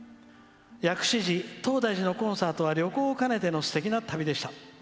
薬師寺、東大寺のコンサートは旅行を兼ねてのすてきな旅でした。